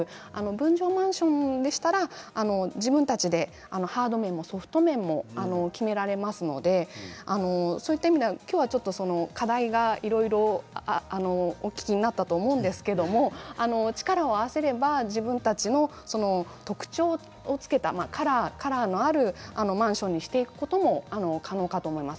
分譲マンションでしたら自分たちでハード面もソフト面も決められますので今日は、その課題がいろいろお聞きになったと思うんですけれど力を合わせれば自分たちの特徴をつけたカラーのあるマンションにしていくことも可能かと思います。